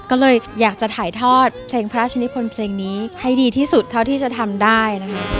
ก็เลยอยากจะถ่ายทอดเพลงพระราชนิพลเพลงนี้ให้ดีที่สุดเท่าที่จะทำได้นะคะ